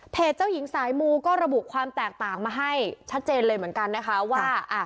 เจ้าหญิงสายมูก็ระบุความแตกต่างมาให้ชัดเจนเลยเหมือนกันนะคะว่า